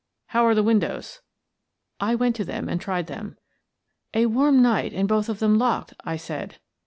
How are the windows?" I went to them and tried them. "A warm night and both of them locked," I said.